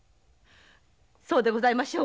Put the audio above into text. そうでございましょう？